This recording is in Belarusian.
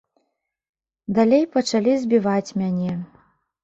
Далей пачалі збіваць мяне.